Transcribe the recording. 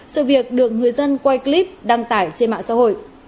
sự việc được người dân quay clip đăng tải trên mạng xã hội